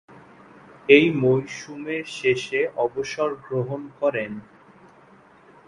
ঐ মৌসুমে শেষে অবসর গ্রহণ করেন।